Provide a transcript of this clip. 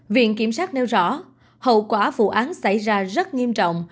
viện kiểm sát nêu rõ hậu quả vụ án xảy ra rất nghiêm trọng